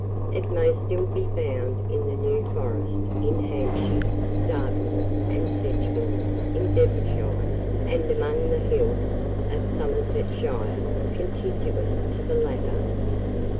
It may still be found in the New Forest, in Hampshire, Dartmoor, and Sedgmoor, in Devonshire, and among the hills of Somersetshire, contiguous to the latter.